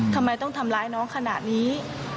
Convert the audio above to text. ทำไมต้องทำร้ายน้องขนาดนี้